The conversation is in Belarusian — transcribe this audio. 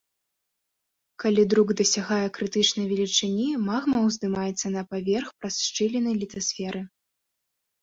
Калі друк дасягае крытычнай велічыні, магма ўздымаецца на паверх праз шчыліны літасферы.